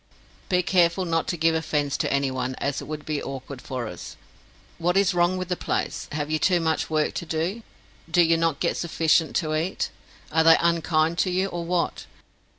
Be careful not to give offence to any one, as it would be awkward for us. What is wrong with the place? Have you too much work to do? Do you not get sufficient to cat? Are they unkind to you, or what?